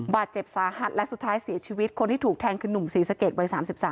บาดเจ็บสาหัสและสุดท้ายเสียชีวิตคนที่ถูกแทงคือนุ่มศรีสะเกดวัย๓๓